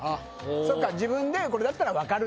自分でこれだったら分かる！